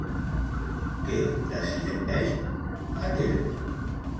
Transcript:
Què decideix dur a terme?